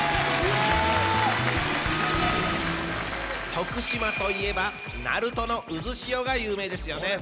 徳島といえば鳴門のうずしおが有名ですよね。